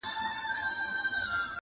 • ملنګه ! محبت ګني بېخي دلته ناياب دی؟ -